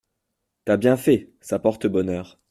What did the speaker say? T’as bien fait, ça porte bonheur.